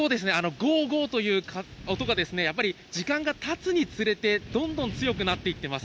ごーごーという音が、やっぱり時間がたつにつれて、どんどん強くなっています。